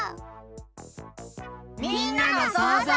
みんなのそうぞう。